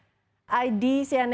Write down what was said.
untuk mengikuti aturan aturannya